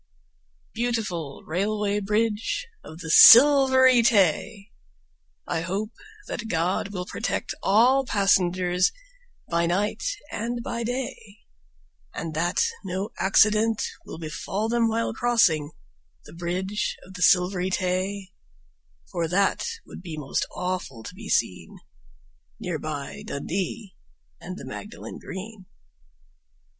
Beautiful Railway Bridge of the Silvery Tay! I hope that God will protect all passengers By night and by day, And that no accident will befall them while crossing The Bridge of the Silvery Tay, For that would be most awful to be seen Near by Dundee and the Magdalen Green.